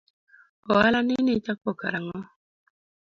Oala ni nichako kar ang'o?